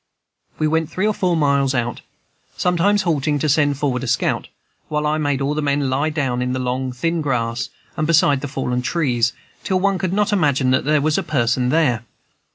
We went three or four miles out, sometimes halting to send forward a scout, while I made all the men lie down in the long, thin grass and beside the fallen trees, till one could not imagine that there was a person there.